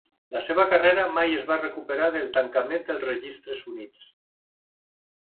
La seva carrera mai es va recuperar del tancament dels registres Units.